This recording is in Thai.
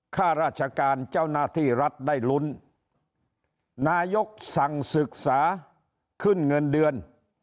ข้าราชการเจ้าหน้าที่รัฐได้ลุ้นนายกสั่งศึกษาขึ้นเงินเดือน